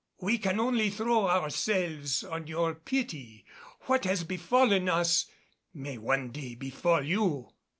We can only throw ourselves on your pity. What has befallen us may one day befall you."